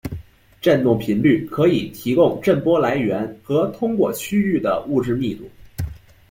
振动频率可以提供震波来源和通过区域的物质密度。